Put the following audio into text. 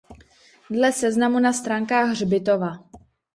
Dle seznamu na stránkách hřbitova.